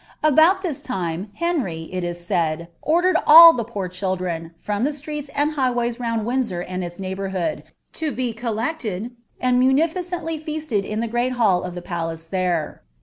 Il this time, Henry, it is said, ordered all the poor children, from laand highways round Windsor and its neighbourhood, lo be 1, anil munificently feasted in the great hall of the palace there.